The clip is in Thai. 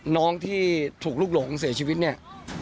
น้องที่ถูกลูกหลงเสียชีวิตเนี่ย